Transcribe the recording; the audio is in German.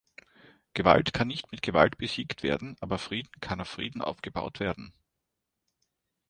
Gewalt kann nicht mit Gewalt besiegt werden, aber Frieden kann auf Frieden aufgebaut werden.